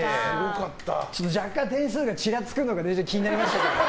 若干、点数がちらつくのが気になりましたけどね。